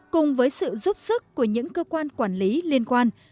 cùng với sự giúp sức của những cơ quan quản lý liên quan